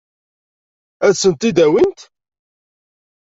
Ad sent-t-id-awint?